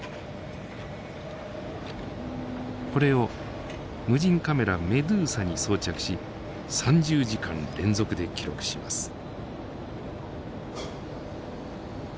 これを無人カメラメドゥーサに装着し３０時間連続で記録します。